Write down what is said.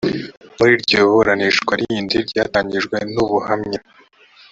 muri iryo buranisha rindi ryatangijwe n’ubuhamya